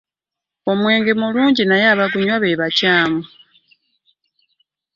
Omwenge mulungi naye abagunywa be bakyamu.